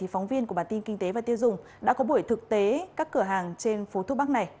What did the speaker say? phóng viên của bản tin kinh tế và tiêu dùng đã có buổi thực tế các cửa hàng trên phố thuốc bắc này